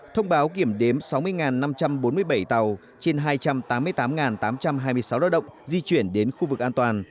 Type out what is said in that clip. thông báo kiểm đếm sáu mươi năm trăm bốn mươi bảy tàu trên hai trăm tám mươi tám tám trăm hai mươi sáu lao động di chuyển đến khu vực an toàn